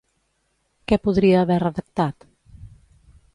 Què podria haver redactat?